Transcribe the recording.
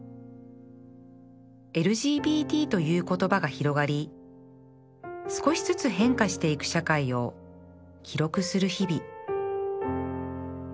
ＬＧＢＴ という言葉が広がり少しずつ変化していく社会を記録する日々